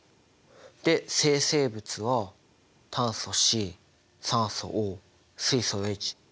で生成物は炭素Ｃ酸素Ｏ水素Ｈ。